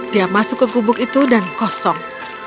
dia masuk ke gubuk itu dan kosong